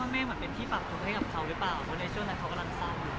มันเป็นพี่หมาให้กับเขาก็ได้ข้อง